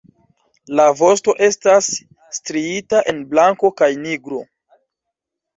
La vosto estas striita en blanko kaj nigro.